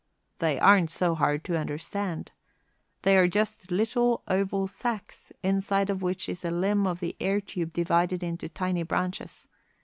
"They aren't so hard to understand; they are just little oval sacs, inside of which is a limb of the air tube divided into tiny branches.